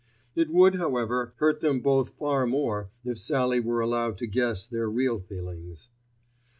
It would, however, hurt them both far more if Sallie were allowed to guess their real feelings.